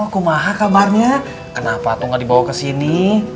kumaha kabarnya kenapa tuh ga dibawa kesini